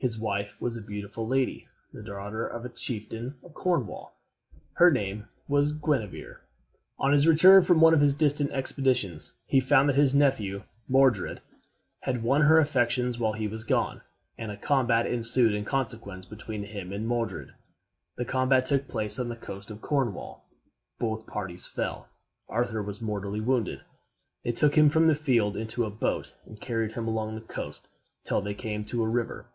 His wife was a beautiful lady, the daughter of a chieftain of Cornwall. Her name was Guenever. On his return from one of his distant expeditions, he found that his nephew, Medrawd, had won her affections while he was gone, and a combat ensued in consequence between him and Medrawd. The combat took place on the coast of Cornwall. Both parties fell. Arthur was mortally wounded. They took him from the field into a boat, and carried him along the coast till they came to a river.